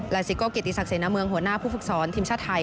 และซิโกะกิติศักดิ์เสนอเมืองหัวหน้าผู้ฟึกษอนทีมชาไทย